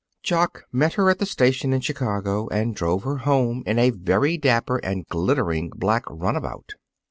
Jock met her at the station in Chicago and drove her home in a very dapper and glittering black runabout.